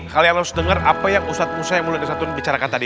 kalian harus dengar apa yang ustadz musa yang mulai dari satun bicarakan tadi